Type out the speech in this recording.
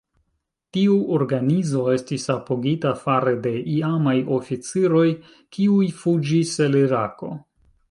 Tiu organizo estis apogita fare de iamaj oficiroj, kiuj fuĝis el Irako.